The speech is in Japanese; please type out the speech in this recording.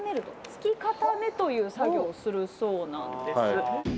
つき固めという作業をするそうなんです。